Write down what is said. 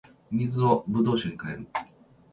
水を葡萄酒に変える